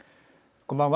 こんばんは。